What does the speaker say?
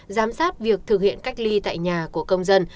giám sát việc thực hiện cách ly tại nhà của công dân